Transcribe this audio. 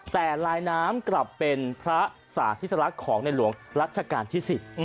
แต่ลายน้ำกลับเป็นพระสาธิสลักษณ์ของในหลวงรัชกาลที่๑๐